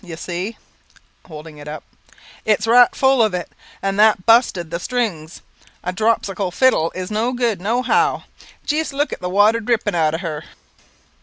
You see," holding it up "it's right full of it, and that busted the strings. A dropsical fiddle is no good, no how. Jist look at the water dripping out of her."